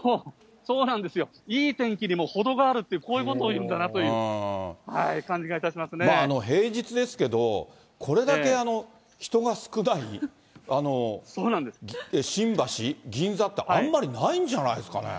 いい天気にもほどがあるって、こういうことを言うんだなっていう平日ですけど、これだけ人が少ない新橋、銀座って、あんまりないんじゃないですかね。